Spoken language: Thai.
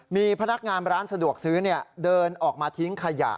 มีพนักงานร้านสะดวกซื้อเดินออกมาทิ้งขยะ